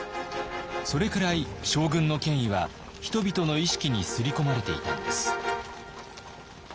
それくらい将軍の権威は人々の意識に刷り込まれていたんです。